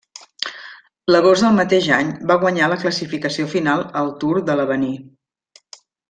L'agost del mateix any va guanyar la classificació final al Tour de l'Avenir.